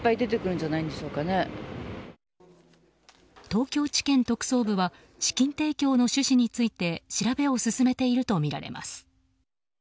東京地検特捜部は資金提供の趣旨について調べを進めているとみられます。